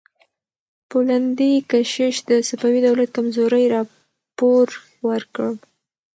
پولندي کشیش د صفوي دولت کمزورۍ راپور ورکړ.